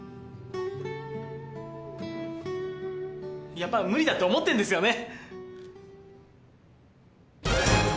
やっぱり無理だって思ってんですよね。